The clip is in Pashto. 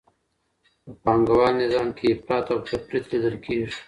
په پانګوال نظام کي افراط او تفریط لیدل کېږي.